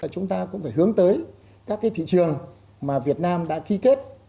chúng ta cũng phải hướng tới các thị trường mà việt nam đã ký kết